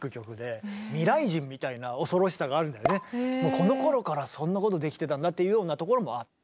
このころからそんなことできてたんだっていうようなところもあって。